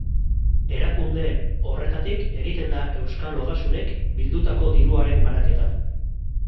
Erakunde horretatik egiten da euskal ogasunek bildutako diruaren banaketa.